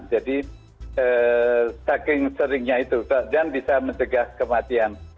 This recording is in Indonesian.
jadi saking seringnya itu dan bisa mencegah kematian